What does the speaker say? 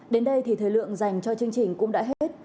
đến đây thì thời lượng dành cho chương trình cũng đã hết